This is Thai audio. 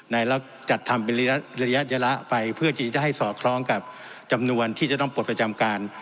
ในแล้วจัดทำอยเปรียญระยะแยะระไปเพื่อจะได้ให้หะลองกับจำนวนที่จะต้องปลดประจำการ